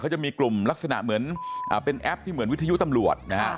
จะมีกลุ่มลักษณะเหมือนเป็นแอปที่เหมือนวิทยุตำรวจนะฮะ